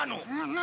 何？